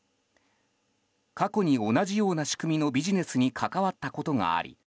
過去に同じような仕組みのビジネスに関わったことがあり